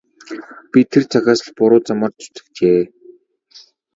Би тэр цагаас л буруу замаар зүтгэжээ.